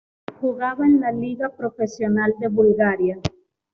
Jugaba en la Liga Profesional de Bulgaria.